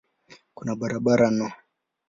Kuna barabara no.